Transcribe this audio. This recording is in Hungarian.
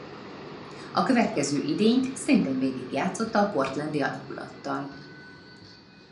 A következő idényt szintén végig játszotta a portlandi alakulattal.